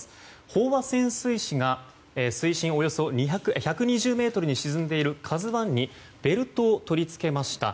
飽和潜水士が水深およそ１２０ｍに沈んでいる「ＫＡＺＵ１」にベルトを取り付けました。